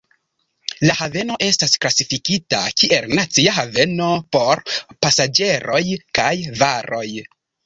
La haveno estas klasifikita kiel nacia haveno por pasaĝeroj kaj varoj.